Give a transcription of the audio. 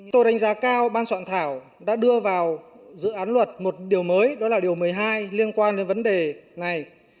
tôi đánh giá cao ban soạn thảo đã đưa vào dự án luật một điều mới đó là điều một mươi hai liên quan đến vấn đề này